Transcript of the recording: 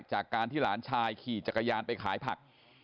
จากการที่หลานชายขี่จักรยานไปขายผัก